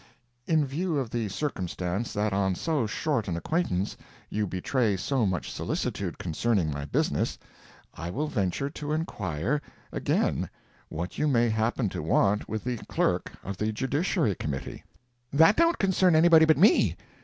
"In view of the circumstance that on so short an acquaintance you betray so much solicitude concerning my business, I will venture to inquire again what you may happen to want with the clerk of the Judiciary Committee?" "That don't concern anybody but me.